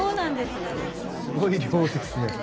すごい量ですね。